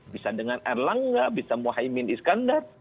bisa dengan erlangga bisa mohaimin iskandar